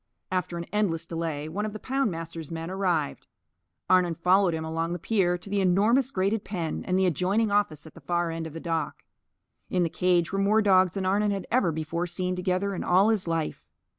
After an endless delay, one of the poundmaster's men arrived. Arnon followed him along the pier to the enormous grated pen and the adjoining office at the far end of the dock. In the cage were more dogs than Arnon had ever before seen together in all his life.